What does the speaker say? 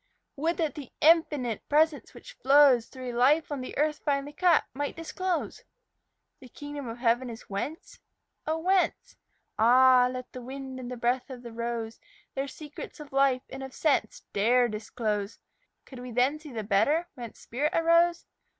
Would that the Infinite Presence which flows Through a life on the earth finely cut Might disclose! The kingdom of heaven is whence? Oh, whence? Ah! let the wind and the breath of the rose Their secrets of life and of sense Dare disclose! Could we then see the better whence spirit arose?